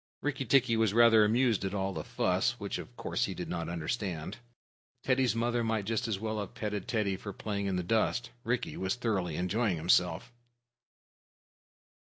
Rikki tikki was rather amused at all the fuss, which, of course, he did not understand. Teddy's mother might just as well have petted Teddy for playing in the dust. Rikki was thoroughly enjoying himself.